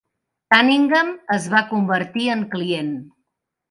Cunningham es va convertir en client.